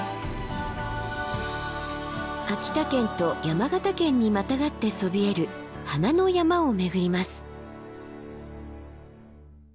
秋田県と山形県にまたがってそびえる花の山を巡ります。